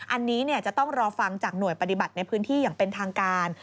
อันนี้จะต้องรอฟังจากหน่วยปฏิบัติในพื้นที่อย่างเป็นทางการ